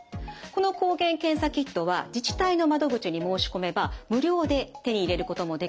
この抗原検査キットは自治体の窓口に申し込めば無料で手に入れることもできますし